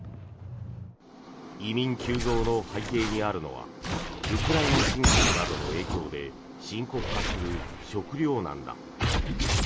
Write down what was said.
移民急増の背景にあるのはウクライナ侵攻などの影響で深刻化する食糧難だ。